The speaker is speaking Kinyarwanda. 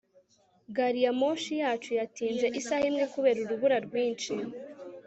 gariyamoshi yacu yatinze isaha imwe kubera urubura rwinshi